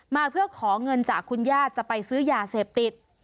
มาเพื่อขอเงินจากคุณญาติจะไปซื้อยาเสพติด